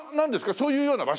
そういうような場所？